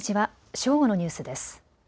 正午のニュースです。